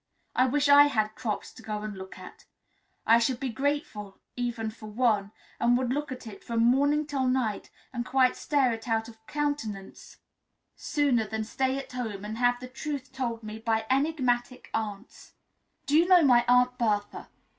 I wish I had crops to go and look at I should be grateful even for one, and would look at it from morning till night, and quite stare it out of countenance, sooner than stay at home and have the truth told me by enigmatic aunts. Do you know my Aunt Bertha?